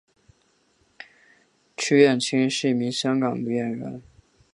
区燕青是一名香港女演员。